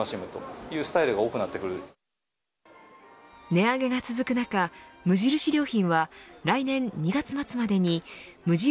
値上げが続く中、無印良品は来年２月末までに無印